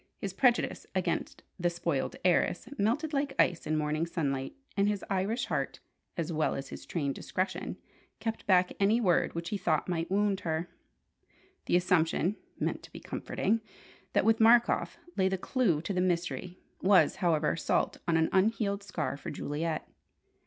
His prejudice against the "spoiled heiress" melted like ice in morning sunlight, and his Irish heart as well as his trained discretion kept back any word which he thought might wound her. The assumption (meant to be comforting) that with Markoff lay the clue to the mystery, was, however, salt on an unhealed scar for Juliet.